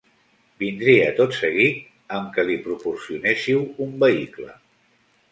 Vindria tot seguit amb que li proporcionéssiu un vehicle.